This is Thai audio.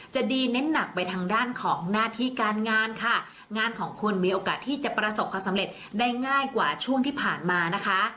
จะดีเน้นหนักไปทางด้านของหน้าที่การงานค่ะงานของคุณมีโอกาสที่จะประสบความสำเร็จได้ง่ายกว่าช่วงที่ผ่านมานะคะ